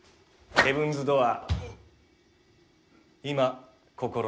ヘブンズ・ドアー。